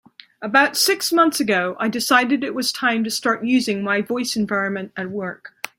About six months ago, I decided it was time to start using my voice environment at work.